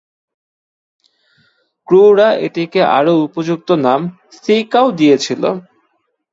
ক্রুরা এটিকে আরও উপযুক্ত নাম "সী কাউ" দিয়েছিল।